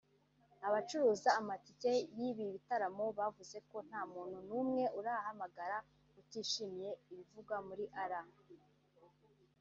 Abacuruza amatike y’ibi bitaramo bavuze ko nta muntu n’umwe urabahamagara utishimiye ibivugwa kuri R